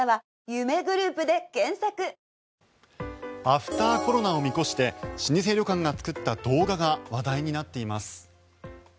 アフターコロナを見越して老舗旅館が作った動画が話題になっています。